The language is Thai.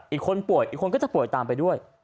อีกคนป่วยอีกคนก็จะป่วยตามไปด้วย